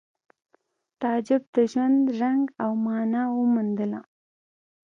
تعجب د ژوند رنګ او مانا وموندله